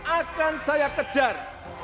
akan saya kejar